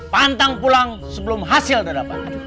pantang pulang sebelum hasil udah dapat